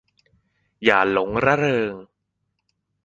อย่าหลงระเริง